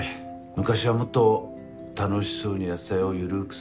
昔はもっと楽しそうにやってたよゆるくさ。